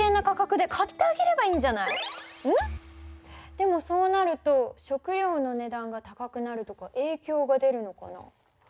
でもそうなると食料の値段が高くなるとかえいきょうが出るのかな？